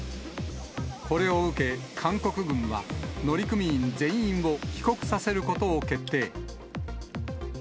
これを受け、韓国軍は乗組員全員を帰国させることを決定。